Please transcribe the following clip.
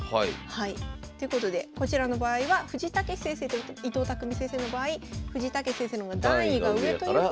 ということでこちらの場合は藤井猛先生と伊藤匠先生の場合藤井猛先生の方が段位が上ということで。